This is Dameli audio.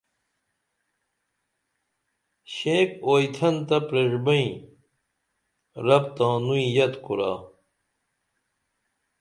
شینک اوئی تھین تہ پریݜبئیں رب تانوئی یت کُرا